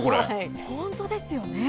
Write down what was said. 本当ですよね。